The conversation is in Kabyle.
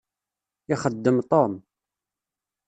Ixeddem Tom.